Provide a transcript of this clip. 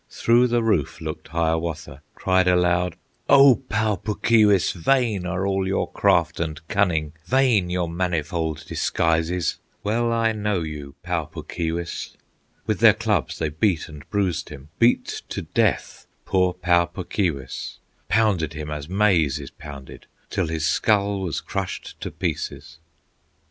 Through the roof looked Hiawatha, Cried aloud, "O Pau Puk Keewis Vain are all your craft and cunning, Vain your manifold disguises! Well I know you, Pau Puk Keewis!" With their clubs they beat and bruised him, Beat to death poor Pau Puk Keewis, Pounded him as maize is pounded, Till his skull was crushed to pieces.